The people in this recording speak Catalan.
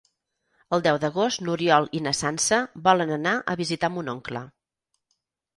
El deu d'agost n'Oriol i na Sança volen anar a visitar mon oncle.